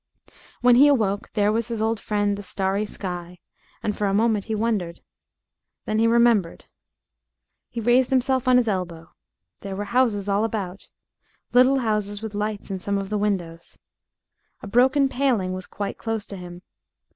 When he awoke there was his old friend the starry sky, and for a moment he wondered. Then he remembered. He raised himself on his elbow. There were houses all about little houses with lights in some of the windows. A broken paling was quite close to him.